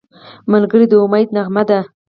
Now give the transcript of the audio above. ملګری د امید نغمه ده